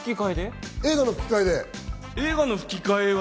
映画の吹き替えで。